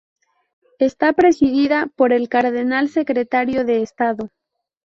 Está presidida por el cardenal secretario de Estado.